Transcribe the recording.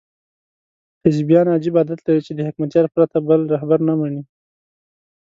حزبیان عجیب عادت لري چې د حکمتیار پرته بل رهبر نه مني.